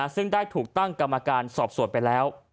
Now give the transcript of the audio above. ซึ่งได้ถูกตั้งกรรมการสอบส่วนไปแล้ว